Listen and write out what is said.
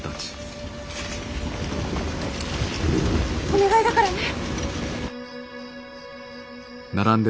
お願いだからね！